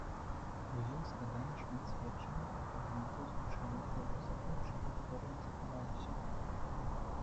У іх згадана шмат сведчанняў і фрагментаў з вучэнняў філосафаў, чые творы не захаваліся.